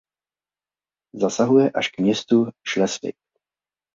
Zasahuje až k městu Schleswig.